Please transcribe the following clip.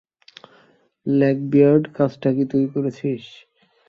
Lack-beard, কাজটা কি তুই করেছিস?